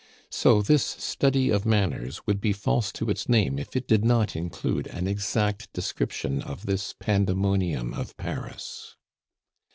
So this Study of Manners would be false to its name if it did not include an exact description of this Pandemonium of Paris.